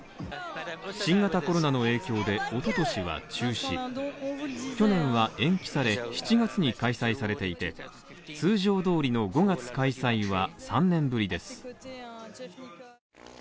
新型コロナの影響でおととしは中止、去年は延期され、７月に開催されていて通常どおりの５月開催は３年ぶりです。